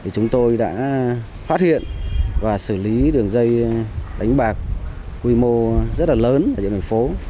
chúng tôi đã phát hiện và xử lý đường dây đánh bạc quy mô rất lớn ở địa bàn phố